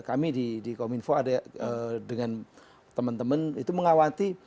kami di kominfo ada dengan teman teman itu mengawati